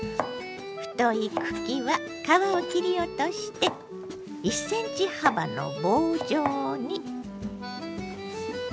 太い茎は皮を切り落として１ｃｍ幅の棒状に。